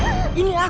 hai cantik cantik